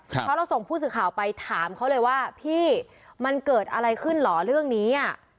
เพราะเราส่งผู้สื่อข่าวไปถามเขาเลยว่าพี่มันเกิดอะไรขึ้นเหรอเรื่องนี้